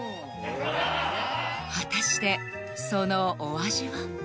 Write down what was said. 果たしてそのお味は？